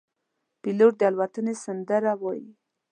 پیلوټ د الوتنې سندره وايي.